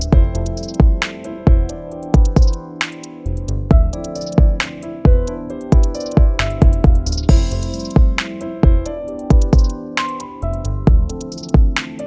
hẹn gặp lại